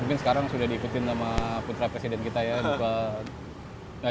mungkin sekarang sudah diikutin sama putra presiden kita ya